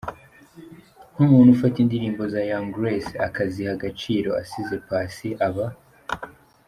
nkumuntu ufata indirimbo za Young Grace akaziha agaciro assize Paccy aba.